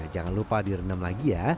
jangan lupa direndam lagi ya